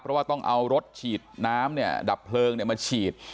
เพราะว่าต้องเอารถฉีดน้ำเนี่ยดับเพลิงมาฉีด